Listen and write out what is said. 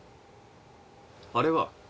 あれは？